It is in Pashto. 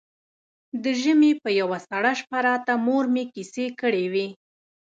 د ژمي په يوه سړه شپه راته مور مې کيسې کړې وې.